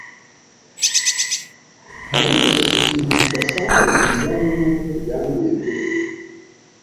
Hariho ikintu kidasanzwe kijyanye nuko yandebye ejo.